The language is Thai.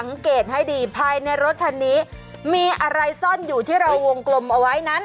ในรถคันนี้มีอะไรซ่อนอยู่ที่เราวงกลมเอาไว้นั้น